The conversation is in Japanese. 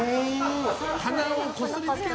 鼻をこすりつけるな。